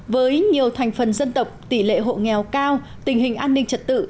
với nhiều thành phần dân tộc tỷ lệ hộ nghèo cao tình hình an ninh trật tự